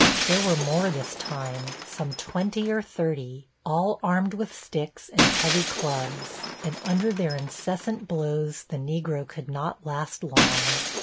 There were more this time, some twenty or thirty, all armed with sticks and heavy clubs, and under their incessant blows the Negro could not last long.